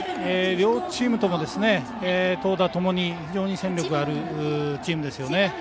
両チームとも投打ともに非常に戦力があるチームですね。